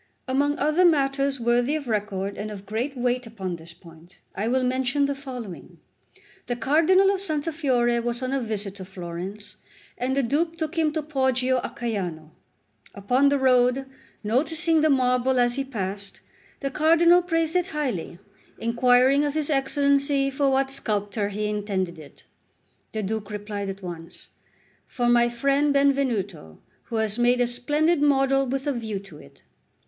Among other matters worthy of record and of great weight upon this point, I will mention the following. The Cardinal of Santa Fiore was on a visit to Florence, and the Duke took him to Poggio a Caiano. Upon the road, noticing the marble as he passed, the Cardinal praised it highly, inquiring of his Excellency for what sculptor he intended it. The Duke replied at once: "For my friend Benvenuto, who has made a splendid model with a view to it."